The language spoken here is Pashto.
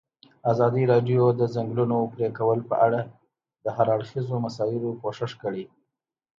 ازادي راډیو د د ځنګلونو پرېکول په اړه د هر اړخیزو مسایلو پوښښ کړی.